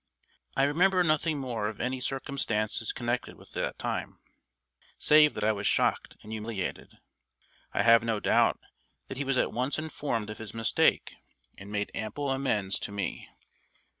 I remember nothing more of any circumstances connected with that time, save that I was shocked and humiliated. I have no doubt that he was at once informed of his mistake and made ample amends to me.